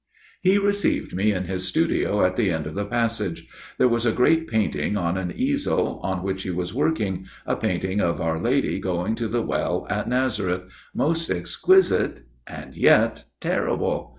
" He received me in his studio at the end of the passage. There was a great painting on an easel, on which he was working, a painting of Our Lady going to the well at Nazareth most exquisite, and yet terrible.